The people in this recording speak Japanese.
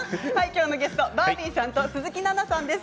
今日のゲストはバービーさんと鈴木奈々さんです。